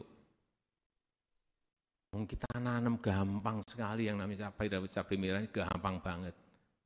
namun kita nanam gampang sekali yang namanya cabai rawit cabai merah ini gampang banget